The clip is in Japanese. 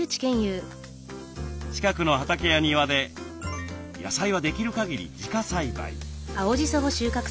近くの畑や庭で野菜はできるかぎり自家栽培。